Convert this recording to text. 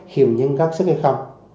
hiệu nhân gắn sức hay không